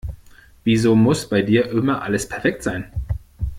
Wieso muss bei dir immer alles perfekt sein?